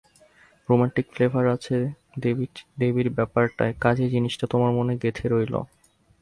Romantic flavour আছে দেবীর ব্যাপারটায়, কাজেই জিনিসটা তোমার মনে গেঁথে রইল।